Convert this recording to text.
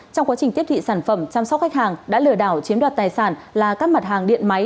trong quá trình tiếp thị sản phẩm chăm sóc khách hàng đã lừa đảo chiếm đoạt tài sản là các mặt hàng điện máy